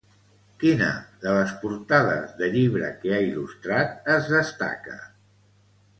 Quina de les portades de llibre que ha il·lustrat es destaca?